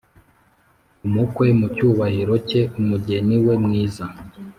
umukwe mu cyubahiro cye, umugeni we mwiza.